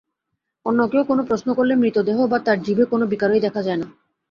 অন্য কেউ কোনো প্রশ্ন করলে মৃতদেহ বা তার জিভে কোনো বিকারই দেখা যায় না।